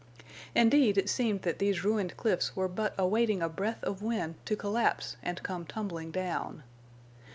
Indeed, it seemed that these ruined cliffs were but awaiting a breath of wind to collapse and come tumbling down.